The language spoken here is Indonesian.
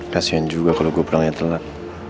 kasian juga kalau gue pulangnya telat